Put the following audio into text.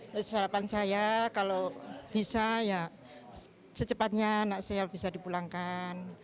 terus harapan saya kalau bisa ya secepatnya anak saya bisa dipulangkan